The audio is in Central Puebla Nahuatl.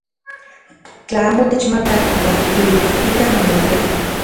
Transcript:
Tla amo techmakaj, makiuiuikaltikan namoaltepe.